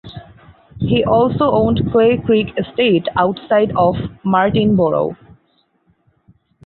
He also owned Clay Creek Estate outside of Martinborough.